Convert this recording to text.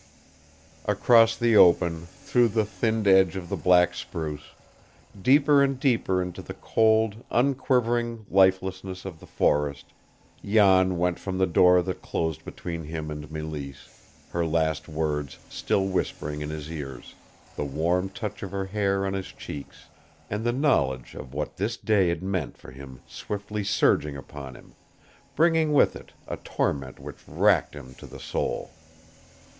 Across the open, through the thinned edge of the black spruce, deeper and deeper into the cold, unquivering lifelessness of the forest, Jan went from the door that closed between him and Mélisse, her last words still whispering in his ears, the warm touch of her hair on his cheeks and the knowledge of what this day had meant for him swiftly surging upon him, bringing with it a torment which racked him to the soul.